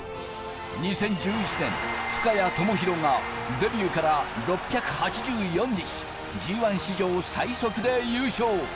２０１１年、深谷知広がデビューから６８４日、Ｇ１史上最速で優勝。